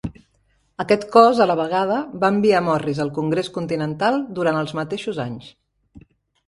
Aquest cos, a la vegada, va enviar a Morris al Congrés continental durant els mateixos anys.